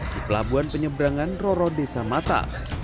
di pelabuhan penyeberangan roro desa mata